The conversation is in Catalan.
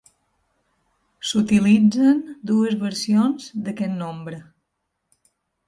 S'utilitzen dues versions d'aquest nombre.